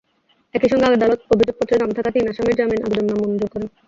একই সঙ্গে আদালত অভিযোগপত্রে নাম থাকা তিন আসামির জামিন আবেদন নামঞ্জুর করেন।